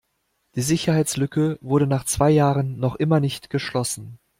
Die Sicherheitslücke wurde nach zwei Jahren noch immer nicht geschlossen.